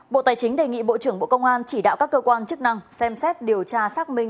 bộ tài chính đề nghị bộ trưởng bộ công an chỉ đạo các cơ quan chức năng xem xét điều tra xác minh